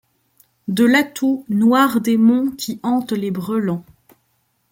De l'atout, noir démon qui hante les brelans